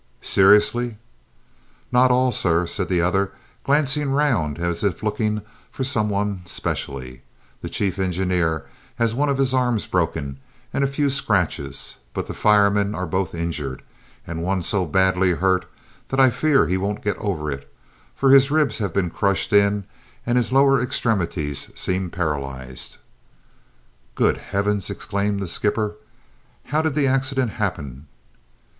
"Seriously?" "Not all, sir," said the other, glancing round as if looking for some one specially. "The chief engineer has one of his arms broken and a few scratches, but the firemen are both injured, and one so badly hurt that I fear he won't get over it, for his ribs have been crushed in and his lower extremities seem paralysed!" "Good heavens!" exclaimed the skipper. "How did the accident happen?"